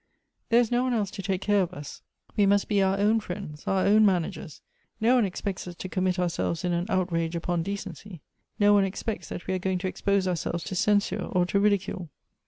There is no one else to take care of us — we must be our own friends, our own managers. No one expects us to commit ourselves in an outrage upon decency : no one expects that we are going to expose ourselves to censure or to ridicule."